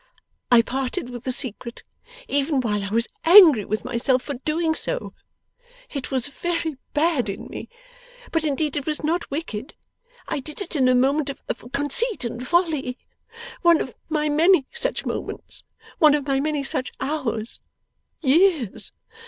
I parted with the secret, even while I was angry with myself for doing so. It was very bad in me, but indeed it was not wicked. I did it in a moment of conceit and folly one of my many such moments one of my many such hours years.